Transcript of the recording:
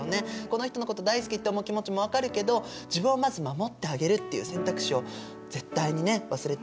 この人のこと大好きって思う気持ちも分かるけど自分をまず守ってあげるっていう選択肢を絶対にね忘れてはいけないようにね。